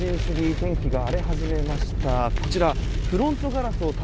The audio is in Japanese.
天気が荒れ始めました。